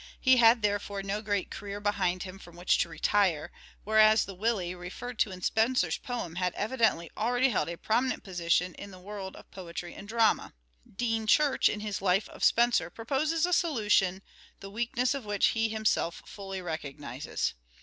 He had therefore no great career behind him from which to retire, whereas the " Willie " referred to in Spenser's poem had evidently already held a prominent position in the world of poetry and drama. Dean Church in his Life of Spenser proposes a solution the weakness of which he himself fully recognizes.